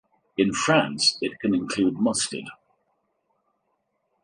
In France it can include mustard.